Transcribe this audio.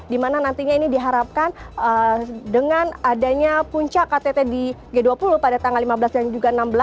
dimana nantinya ini diharapkan dengan adanya puncak ktt di g dua puluh pada tanggal lima belas dan juga enam belas